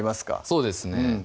そうですね